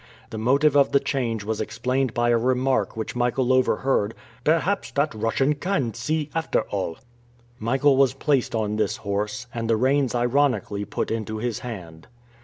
The motive of the change was explained by a remark which Michael overheard, "Perhaps that Russian can see, after all!" Michael was placed on this horse, and the reins ironically put into his hand.